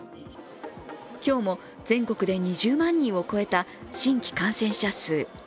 今日も全国で２０万人を超えた新規感染者数。